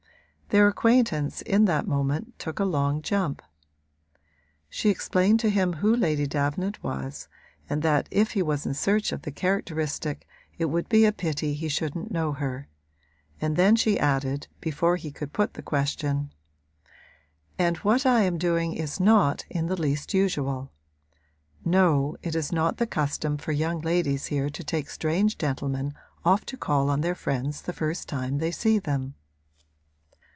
Their acquaintance, in that moment, took a long jump. She explained to him who Lady Davenant was and that if he was in search of the characteristic it would be a pity he shouldn't know her; and then she added, before he could put the question: 'And what I am doing is not in the least usual. No, it is not the custom for young ladies here to take strange gentlemen off to call on their friends the first time they see them.'